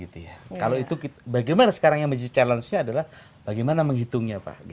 kalau itu bagaimana sekarang yang menjadi challenge nya adalah bagaimana menghitungnya pak